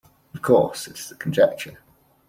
Of course it is conjecture.